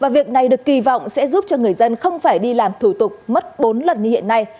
vi phạm sẽ giúp cho người dân không phải đi làm thủ tục mất bốn lần như hiện nay